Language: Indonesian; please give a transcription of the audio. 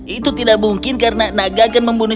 itu tidak mungkin karena naga akan membunuh